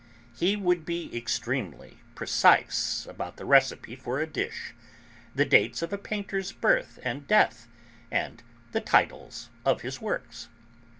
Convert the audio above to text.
He would be extremely precise about the recipe for a dish, the dates of a painter's birth and death, and the titles of his works.